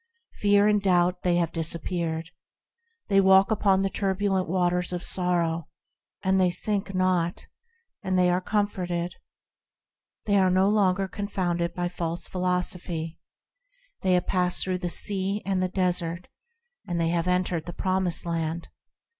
Fear and doubt they have dispersed ; They walk upon the turbulent waters of sorrow, And they sink not, and are comforted. They are no longer confounded by false philosophy ; They have passed through the Sea and the Desert, And have entered the Promised Land.